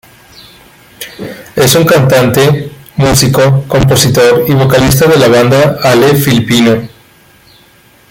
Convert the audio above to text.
Es un cantante, músico, compositor y vocalista de la banda Hale filipino.